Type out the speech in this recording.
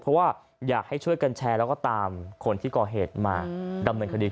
เพราะว่าอยากให้ช่วยกันแชร์แล้วก็ตามคนที่ก่อเหตุมาดำเนินคดี